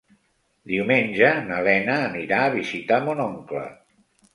Diumenge na Lena anirà a visitar mon oncle.